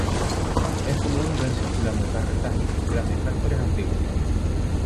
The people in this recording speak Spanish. Es común ver circulando carretas y grandes tractores antiguos.